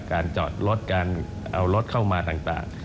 การจอดรถการเอารถเข้ามาต่าง